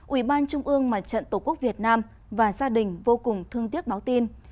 ủy ban trung ương mặt trận tổ quốc việt nam và gia đình vô cùng thương tiếc báo tin